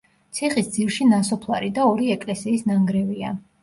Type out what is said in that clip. ციხის ძირში ნასოფლარი და ორი ეკლესიის ნანგრევია.